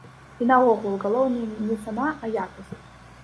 І наогул, галоўнае не цана, а якасць.